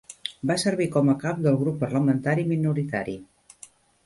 Va servir com a cap del grup parlamentari minoritari.